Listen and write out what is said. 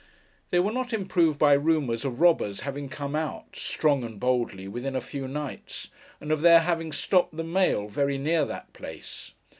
They were not improved by rumours of robbers having come out, strong and boldly, within a few nights; and of their having stopped the mail very near that place.